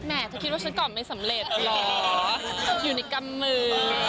แหมถ้าคิดว่าฉันก่อนไม่สำเร็จหรออยู่ในกำมือ